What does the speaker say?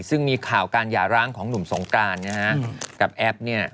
ซึ่งมีข่าวการหย่าร้างของหนุ่มสงกรานนะฮะกับแอปเนี่ย